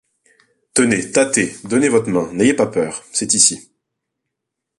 Tenez, tâtez, donnez votre main, n’ayez pas peur, c’est ici.